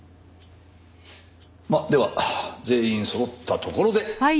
まっでは全員そろったところで。